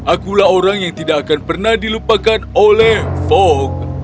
akulah orang yang tidak akan pernah dilupakan oleh fok